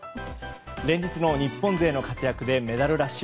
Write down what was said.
連日の日本勢の活躍でメダルラッシュ。